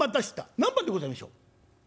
何番でございましょう？